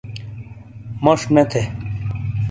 موش نے تھے